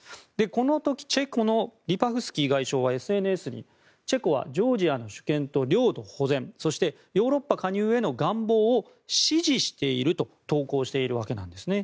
この時、チェコのリパフスキー外相はＳＮＳにチェコはジョージアの主権と領土保全そしてヨーロッパ加入への願望を支持していると投稿しているわけです。